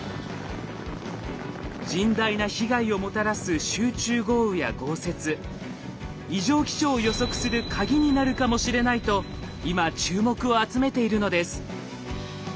甚大な被害をもたらす集中豪雨や豪雪異常気象を予測するカギになるかもしれないと今注目を集めているのです。